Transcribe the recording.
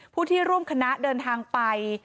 ผู้ที่ร่วมคณะเดินทางไป